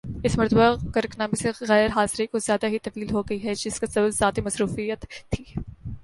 اس مرتبہ کرک نامہ سے غیر حاضری کچھ زیادہ ہی طویل ہوگئی ہے جس کا سبب ذاتی مصروفیت تھی